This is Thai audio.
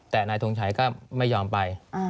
แต่นายทงชัยก็ไม่ยอมไป